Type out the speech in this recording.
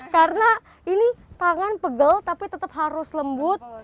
karena ini tangan pegel tapi tetap harus lembut